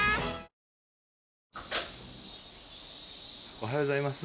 おはようございます。